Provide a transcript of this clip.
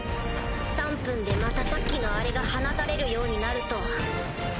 ３分でまたさっきのあれが放たれるようになると。